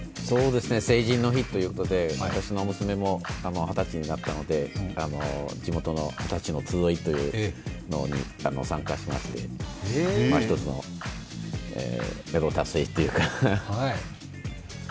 成人の日ということで、私の娘も二十歳になったので地元の二十歳の集いに参加しまして、１つのめどを達成というか。